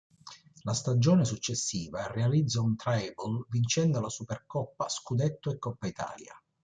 La stagione successiva realizza un "treble", vincendo la Supercoppa, scudetto e Coppa Italia.